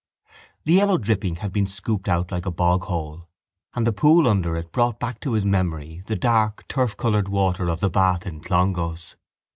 The yellow dripping had been scooped out like a boghole and the pool under it brought back to his memory the dark turfcoloured water of the bath in Clongowes.